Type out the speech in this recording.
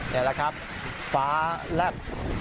เห็นแล้วครับฟ้าแลบ